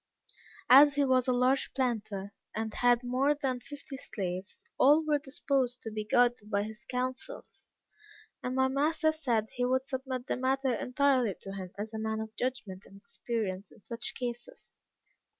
As he was a large planter, and had more than fifty slaves, all were disposed to be guided by his counsels, and my master said he would submit the matter entirely to him as a man of judgment and experience in such cases.